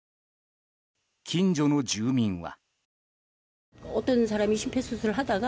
近所の住民は。